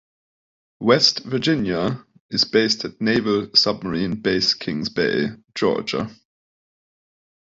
"West Virginia" is based at Naval Submarine Base Kings Bay, Georgia.